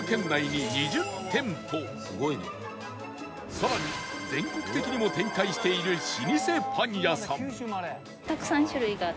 さらに全国的にも展開している老舗パン屋さん